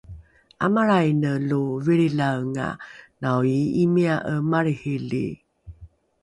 ’amalraine lo vilrilaenga naoii’imia’e malrihili